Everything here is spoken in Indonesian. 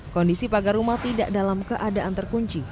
kondisi pagar rumah tidak dalam keadaan terkunci